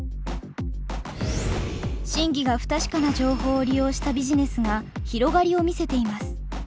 真偽が不確かな情報を利用したビジネスが広がりを見せています。